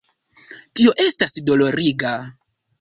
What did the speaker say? Tio estas doloriga.